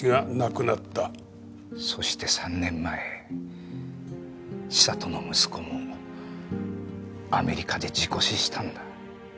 そして３年前千里の息子もアメリカで事故死したんだ。